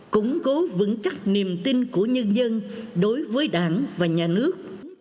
củng cố vững chắc niềm tin của nhân dân đối với đảng và nhà nước